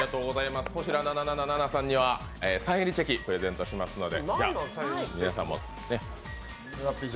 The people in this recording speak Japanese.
Ｈｏｓｈｉｒａ７７７さんにはサイン入りチェキプレゼントしますので。